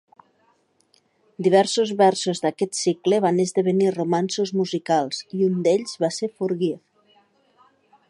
Diversos versos d"aquest cicle van esdevenir romanços musicals i un d"ells va ser Forgive!